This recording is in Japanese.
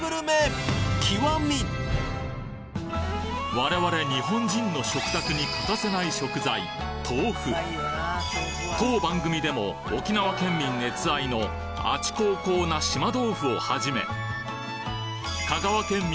我々日本人の食卓に欠かせない食材当番組でも沖縄県民熱愛のあちこーこーな島豆腐を始め香川県民